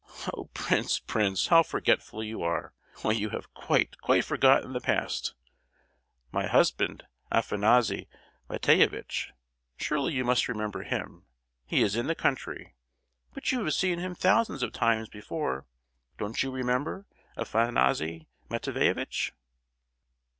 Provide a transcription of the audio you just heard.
"Oh, prince, prince! how forgetful you are! Why, you have quite, quite forgotten the past! My husband, Afanassy Matveyevitch, surely you must remember him? He is in the country: but you have seen him thousands of times before! Don't you remember—Afanassy Matveyevitch!"